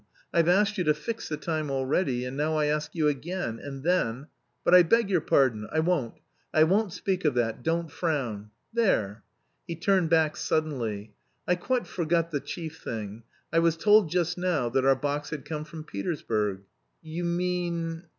I've asked you to fix the time already and now I ask you again and then.... But I beg your pardon, I won't, I won't speak of that, don't frown. There!" He turned back suddenly. "I quite forgot the chief thing. I was told just now that our box had come from Petersburg." "You mean..."